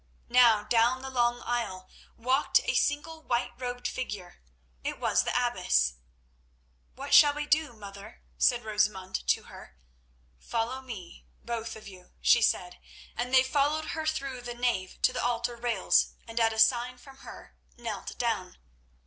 Now down the long aisle walked a single whiterobed figure. It was the abbess. "What shall we do, Mother?" said Rosamund to her. "Follow me, both of you," she said, and they followed her through the nave to the altar rails, and at a sign from her knelt down.